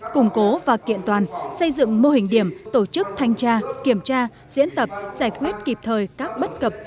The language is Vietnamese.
củng cố và kiện toàn xây dựng mô hình điểm tổ chức thanh tra kiểm tra diễn tập giải quyết kịp thời các bất cập